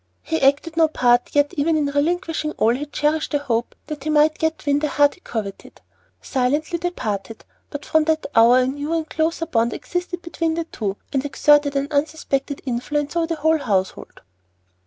He acted no part, yet, even in relinquishing all, he cherished a hope that he might yet win the heart he coveted. Silently they parted, but from that hour a new and closer bond existed between the two, and exerted an unsuspected influence over the whole household.